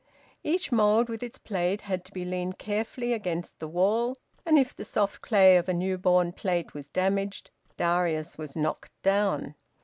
Each mould with its plate had to be leaned carefully against the wall and if the soft clay of a new born plate was damaged, Darius was knocked down.